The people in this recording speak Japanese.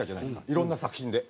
いろんな作品で。